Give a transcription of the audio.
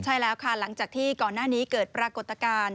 ใช่แล้วค่ะหลังจากที่ก่อนหน้านี้เกิดปรากฏการณ์